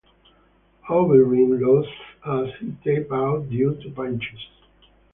Overeem lost as he tapped out due to punches.